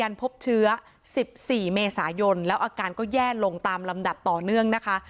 พบเชื้อ๑๔เมษายนแล้วอาการก็แย่ลงตามลำดับต่อเนื่องนะคะ